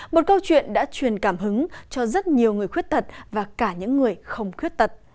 một câu chuyện đã truyền cảm hứng cho rất nhiều người khuyết tật và cả những người không khuyết tật